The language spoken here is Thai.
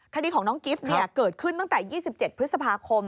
คดีของน้องกิฟต์เกิดขึ้นตั้งแต่๒๗พฤษภาคม